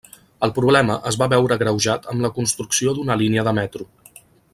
El problema es va veure agreujat amb la construcció d'una línia de metro.